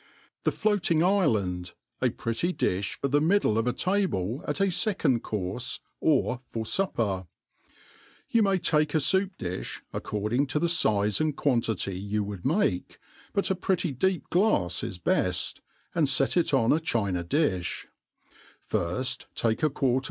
fbe FUaiing'IJland, a pretty Dijh for the Middle tf a Tdbk at m Second Courfgy or for Supper •'* YOU may t^ke a foup^diih, according to the fize and quan* tity you would make, but a pretty deep glafs is heft, and fet it on a china difli; firft take a quart of